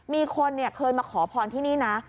มีคนเคยมาขอพรที่นี่นะ